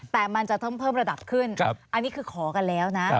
แต่มันจะต้องเพิ่มระดับขึ้นอันนี้คือขอกันแล้วนะ